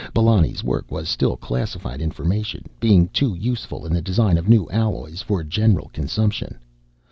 Belloni's work was still classified information, being too useful, in the design of new alloys, for general consumption.